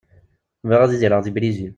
Bɣiɣ ad idireɣ di Brizil.